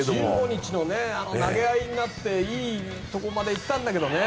１５日、投げ合いになっていいところまで行ったんだけどね。